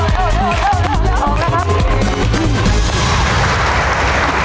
โอ้เฮ้ยใจด่วนว่านี้คิดเป้นวินาทีเพลินถ้าครับ